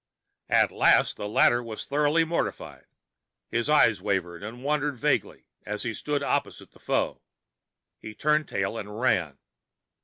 At last the latter was thoroughly mortified; his eyes wavered and wandered vaguely, as he stood opposite the foe; he turned tail and ran.